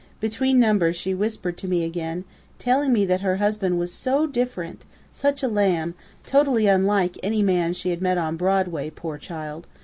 Between numbers she whispered to me again, telling me that her husband was 'so different', 'such a lamb' totally unlike any man she had met on Broadway, poor child....